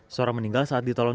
seorang meninggal saat ditolong